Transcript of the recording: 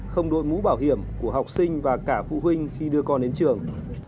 không đội mũ bảo hiểm của học sinh và cả phụ huynh khi đưa con đến trường